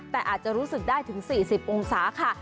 แต่อาจจะรู้สึกได้ถึง๔๐องศาค่ะ